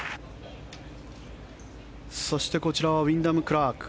そしてこちらはウィンダム・クラーク。